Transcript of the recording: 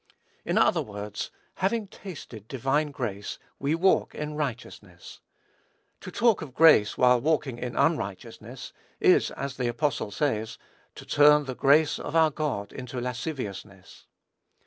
In other words, having tasted divine grace we walk in righteousness. To talk of grace, while walking in unrighteousness, is, as the apostle says, to turn "the grace of our God into lasciviousness."